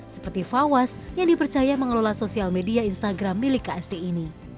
seperti fawas yang dipercaya mengelola sosial media instagram milik ksd ini